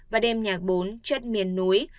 và đêm nhạc bốn chất miền núi